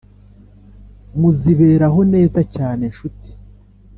muziberaho neza cyane nshuti